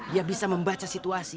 ia bisa membaca situasi